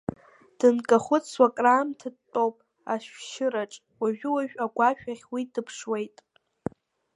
Дынкахәыцуа краамҭа дтәоуп ашәшьыраҿ, уажәы-уажәы агәашә ахь уи дыԥшуеит.